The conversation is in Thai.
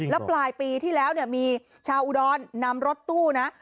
แล้วปลายปีที่แล้วเนี่ยมีชาวอุดรนำรถตู้นะ